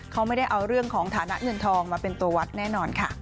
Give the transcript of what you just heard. เขาไม่ได้เอาเรื่องของฐานะเงินทองมาเป็นตัววัดแน่นอนค่ะ